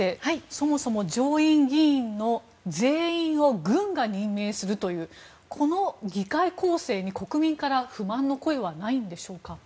そもそも上院議員の全員を軍が任命するというこの議会構成に国民から不満の声はないんでしょうか？